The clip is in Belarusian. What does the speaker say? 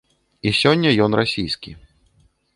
І сёння ён расійскі.